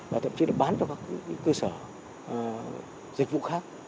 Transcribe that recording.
và thậm chí là bán cho các cơ sở dịch vụ khác